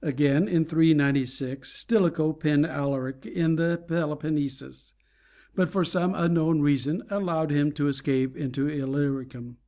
Again, in 396, Stilicho penned Alaric in the Peloponnesus, but for some unknown reason allowed him to escape into Illyricum.